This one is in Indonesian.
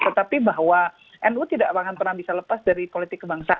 tetapi bahwa nu tidak akan pernah bisa lepas dari politik kebangsaan